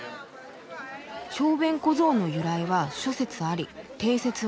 「小便小僧の由来は諸説あり定説はない」。